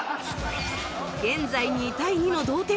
現在２対２の同点